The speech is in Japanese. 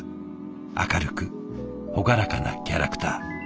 明るく朗らかなキャラクター。